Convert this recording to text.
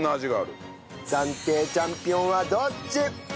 暫定チャンピオンはどっち！？